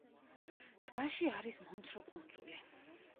ტბაში არის მომცრო კუნძული.